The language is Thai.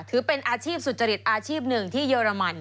ถือเป็นอาชีพสุจริตอาชีพหนึ่งที่เยอรมัน